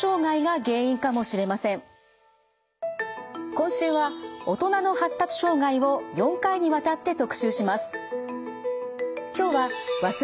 今週は大人の発達障害を４回にわたって特集します。